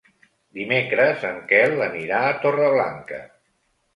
Dimecres en Quel anirà a Torreblanca.